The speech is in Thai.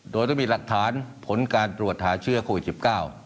โดยต้องมีหลักฐานผลการตรวจหาเชื้อโควิดสิบเก้า